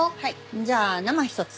じゃあ生１つ。